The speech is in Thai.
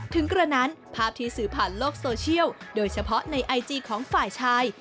กระนั้นภาพที่สื่อผ่านโลกโซเชียลโดยเฉพาะในไอจีของฝ่ายชาย